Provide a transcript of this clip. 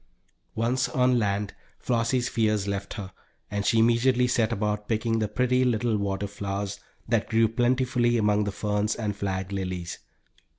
Once on land, Flossie's fears left her, and she immediately set about picking the pretty little water flowers, that grew plentifully among the ferns and flag lilies.